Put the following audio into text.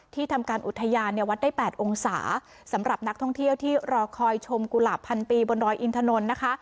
ทำการอุทยานเนี่ยวัดได้๘องศาสำหรับนักท่องเที่ยวที่รอคอยชมกุหลาบพันปีบนดอยอินทนนท์นะคะ